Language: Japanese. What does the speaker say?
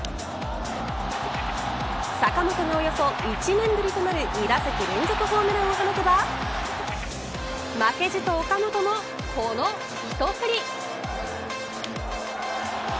坂本が、およそ１年ぶりとなる２打席連続ホームランを放てば負けじと岡本もこの一振り。